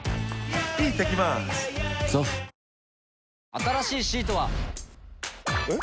新しいシートは。えっ？